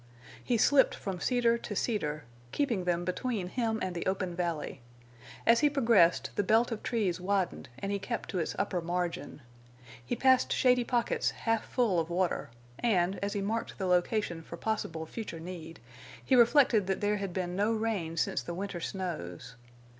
He slipped from cedar to cedar, keeping them between him and the open valley. As he progressed, the belt of trees widened and he kept to its upper margin. He passed shady pockets half full of water, and, as he marked the location for possible future need, he reflected that there had been no rain since the winter snows.